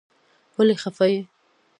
ولې خفه يې.